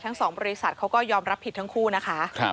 ๒บริษัทเขาก็ยอมรับผิดทั้งคู่นะคะ